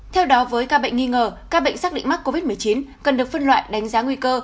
theo đó với ca bệnh nghi ngờ các bệnh xác định mắc covid một mươi chín cần được phân loại đánh giá nguy cơ